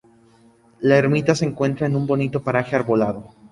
La ermita se encuentra en un bonito paraje arbolado.